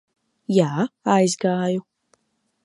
Jā, aizgāju.